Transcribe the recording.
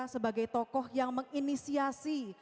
sebagai tokoh yang menginisiasi